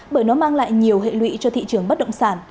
bởi nó mang lại nhiều hệ lụy cho thị trường bất động sản